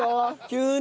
急に。